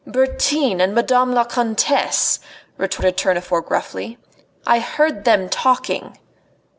"Bertin and Madame la Comtesse," retorted Tournefort gruffly. "I heard them talking."